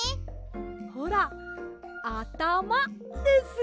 ほらあたまです。